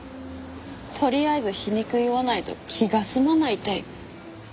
とりあえず皮肉言わないと気が済まないタイプ？